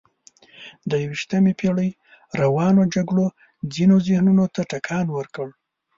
د یویشتمې پېړۍ روانو جګړو ځینو ذهنونو ته ټکان ورکړ.